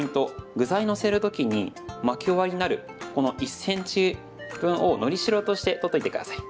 具材載せる時に巻き終わりになる１ｃｍ分を、のりしろとして取っておいてください。